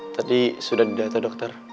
tadi sudah didata dokter